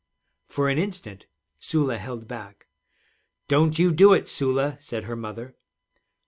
For an instant Sula held back. 'Don't you do it, Sula,' said her mother.